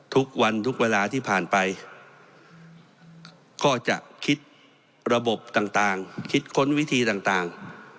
ทุกวันทุกเวลาที่ผ่านไปก็จะคิดระบบต่างคิดค้นวิธีต่าง